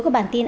của bản tin